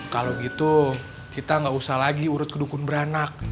kalo gitu kita gausah lagi urut kedukun beranak